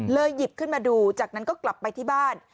หยิบขึ้นมาดูจากนั้นก็กลับไปที่บ้าน